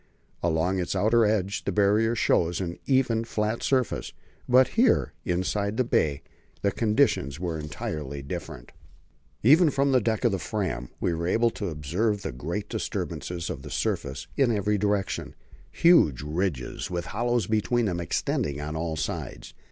Along its outer edge the Barrier shows an even, flat surface; but here, inside the bay, the conditions were entirely different. Even from the deck of the Fram we were able to observe great disturbances of the surface in every direction; huge ridges with hollows between them extended on all sides.